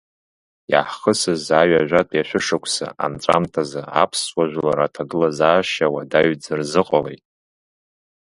Иаҳхысыз аҩажәатәи ашәышықәса анҵәамҭазы аԥсуа жәлар аҭагылазаашьа уадаҩӡа рзыҟалеит.